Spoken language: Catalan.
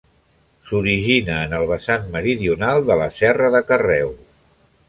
S'origina en el vessant meridional de la Serra de Carreu.